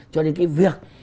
cho đến cái việc